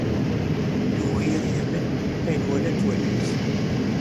Yugi ad yamen ayen walant wallen-is.